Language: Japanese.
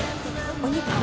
お肉？